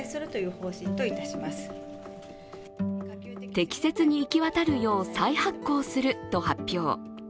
適切に行き渡るよう再発行すると発表。